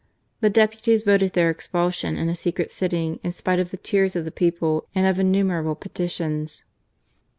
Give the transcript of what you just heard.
The deputies voted their expulsion in a secret sitting in spite of the tears of the people and of innu merable petitions.